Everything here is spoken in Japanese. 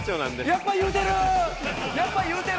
やっぱ言うてる！